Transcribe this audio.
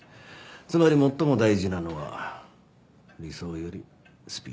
つまり最も大事なのは理想よりスピードです。